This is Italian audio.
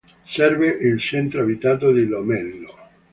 Serve il centro abitato di Lomello.